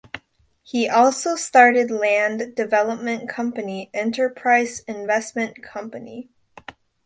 He also started land development company Enterprise Investment Company.